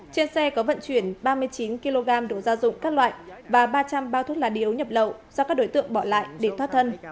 trên xe có vận chuyển ba mươi chín kg đồ gia dụng các loại và ba trăm linh bao thuốc lá điếu nhập lậu do các đối tượng bỏ lại để thoát thân